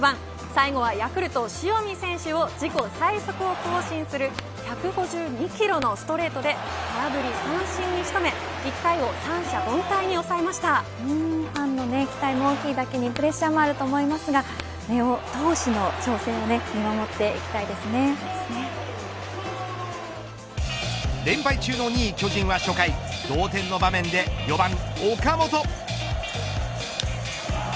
最後はヤクルト塩見選手を自己最速を更新する１５２キロのストレートで空振り三振に仕留め１回を三者凡ファンの期待も大きいだけにプレッシャーもあると思いますが根尾投手の挑戦を連敗中の２位巨人は、初回同点の場面で４番、岡本。